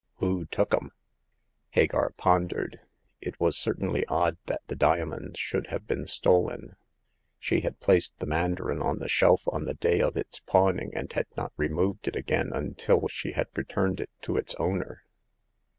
Who took 'em ?" Hagar pondered. It was certainly odd that the diamonds should have beea stolen. She had The Seventh Customer. 189 placed the mandarin on the shelf on the day of its pawning, and had not removed it again until she had returned it to its owner.